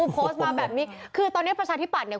โพสต์มาแบบนี้คือตอนนี้ประชาธิบัตย์เนี่ย